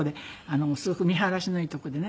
すごく見晴らしのいい所でね